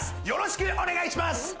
よろしくお願いします。